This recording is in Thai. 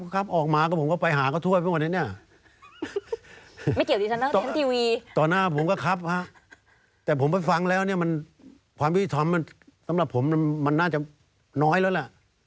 ก็ครับฮะแต่ผมก็ฟังแล้วเนี่ยมันความวิธีสำหรับผมมันน่าจะน้อยแล้วล่ะ